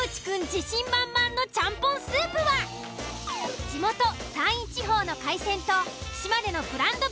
自信満々のちゃんぽんスープは地元山陰地方の海鮮と島根のブランド